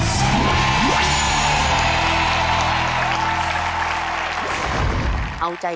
โดราเอมอน